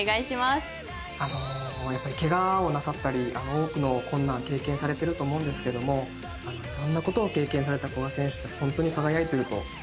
やっぱりケガをなさったり多くの困難を経験されてると思うんですけどもいろんなことを経験された古賀選手ってホントに輝いてると思います。